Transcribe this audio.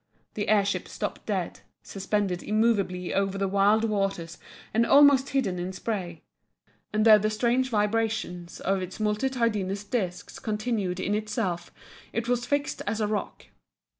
The air ship stopped dead suspended immovably over the wild waters and almost hidden in spray; and though the strange vibration of its multitudinous discs continued in itself it was fixed as a rock.